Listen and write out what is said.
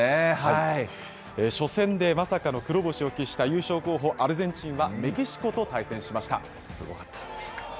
初戦でまさかの黒星を喫した優勝候補、アルゼンチンはメキシコと対戦しました。